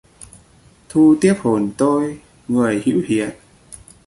Thu tiếp hồn tôi người hữu hiện